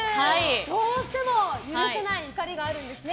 どうしても許せない怒りがあるんですね。